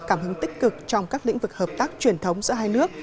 cảm hứng tích cực trong các lĩnh vực hợp tác truyền thống giữa hai nước